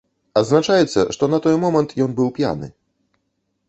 Адзначаецца, што на той момант ён быў п'яны.